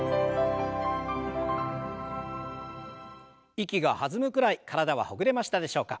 息が弾むくらい体はほぐれましたでしょうか。